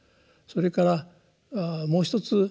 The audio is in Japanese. それからもう一つ。